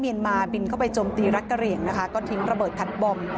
เมียนมาบินเข้าไปจมตีรักเกรียงก็ทิ้งระเบิดถัดบอม